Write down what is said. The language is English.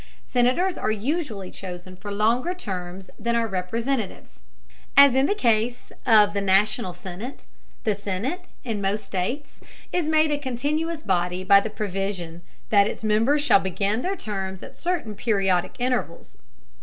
Senators are usually chosen for longer terms than are representatives. As in the case of the National Senate, the senate (in most states) is made a continuous body by the provision that its members shall begin their terms at certain periodic intervals.